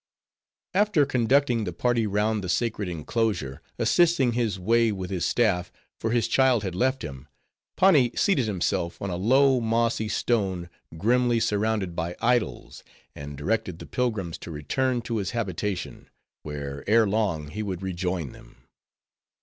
After conducting the party round the sacred inclosure, assisting his way with his staff, for his child had left him, Pani seated himself on a low, mossy stone, grimly surrounded by idols; and directed the pilgrims to return to his habitation; where, ere long he would rejoin them.